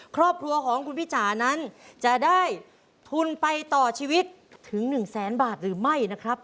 ครอบครัวของคุณพี่จ๋านั้นจะได้ทุนไปต่อชีวิตถึง๑แสนบาทหรือไม่นะครับ